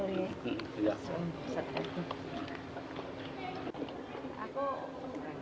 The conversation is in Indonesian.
ini aku cek itu